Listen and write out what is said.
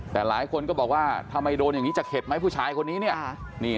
แต่หลายคนก็บอกว่าทำไมโดนอย่างนี้จะเข็ดไหมผู้ชายคนนี้เนี่ย